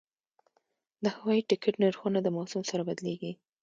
د هوایي ټکټ نرخونه د موسم سره بدلېږي.